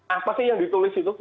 apa sih yang ditulis itu